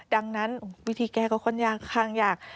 ดังนั้นวิธีแก้ก็ค่อนข้างยาก